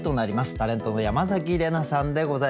タレントの山崎怜奈さんでございます。